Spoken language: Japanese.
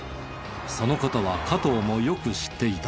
その事は加藤もよく知っていた。